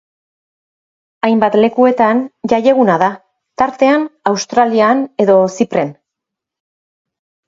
Hainbat lekuetan jaieguna da, tartean Australian edo Zipren.